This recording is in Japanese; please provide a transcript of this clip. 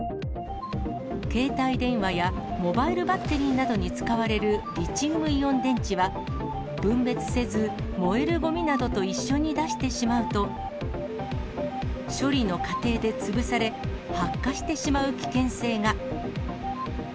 携帯電話やモバイルバッテリーなどに使われるリチウムイオン電池は、分別せず、燃えるごみなどと一緒に出してしまうと、処理の過程で潰され、発火してしまう危険性が。